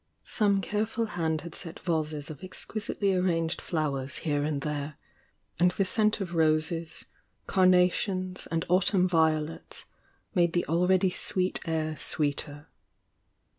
Some careful hand had set vases of exquisitely arranged flowers here and there,— and the scent of roses, car nations and autumn violets made the already sweet air sweeter.